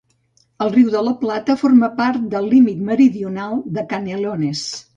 El Riu de la Plata forma part del límit meridional de Canelones.